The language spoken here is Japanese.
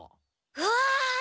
うわ！